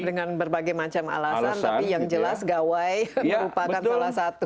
dengan berbagai macam alasan tapi yang jelas gawai merupakan salah satu